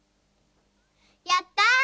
やった！